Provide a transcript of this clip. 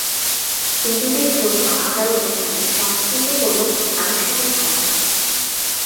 হিন্দুদের ধর্মীয় আচার-অনুষ্ঠানে সংস্কৃত হল আনুষ্ঠানিক ভাষা।